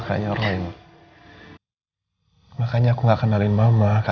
terima kasih udah jujur sama mama